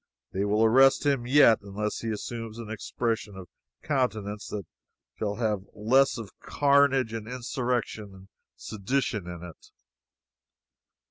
They will arrest him yet unless he assumes an expression of countenance that shall have less of carnage, insurrection and sedition in it.